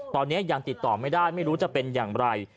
ตอนนี้ยังติดต่อไม่ได้ไม่รู้จะเป็นอย่างไร